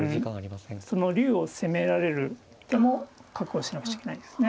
その竜を攻められる手も覚悟しなくちゃいけないんですね。